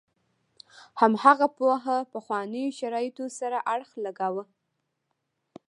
هماغه پوهه پخوانو شرایطو سره اړخ لګاوه.